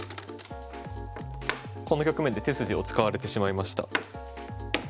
この局面で手筋を使われてしまいました。